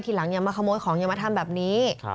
ทีหลังยังมาขโมยของยังมาทำแบบนี้